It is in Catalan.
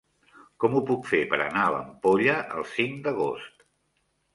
Com ho puc fer per anar a l'Ampolla el cinc d'agost?